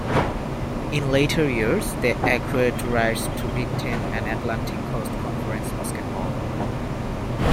In later years, they acquired rights to Big Ten and Atlantic Coast Conference basketball.